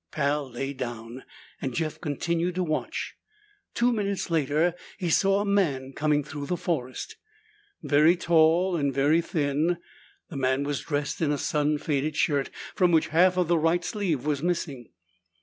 Pal lay down and Jeff continued to watch. Two minutes later he saw a man coming through the forest. Very tall and very thin, the man was dressed in a sun faded shirt from which half of the right sleeve was missing.